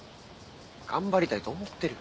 頑張りたいと思ってる。